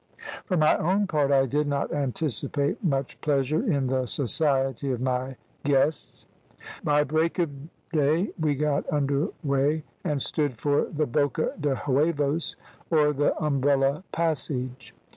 "For my own part, I did not anticipate much pleasure in the society of my guests. "By break of day we got under weigh and stood for the `Boca de Huevos,' or the Umbrella Passage.